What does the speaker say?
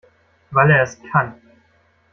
Weil er es kann.